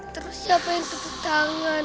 terus siapa yang tepuk tangan